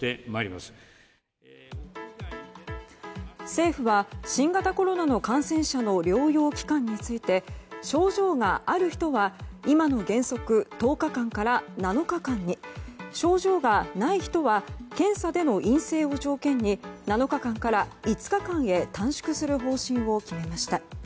政府は新型コロナの感染者の療養期間について症状がある人は今の原則１０日間から７日間に症状がない人は検査での陰性を条件に７日間から５日間に短縮する方針を決めました。